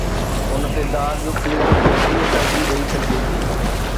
ان تي داغ پيرن کي ڪيئن ترجيح ڏئي سگهجي ٿي؟